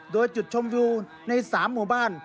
โดยจุดชมวิวใน๓หมู่บ้าน